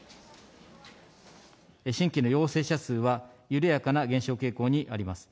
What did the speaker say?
新規の陽性者数は緩やかな減少傾向にあります。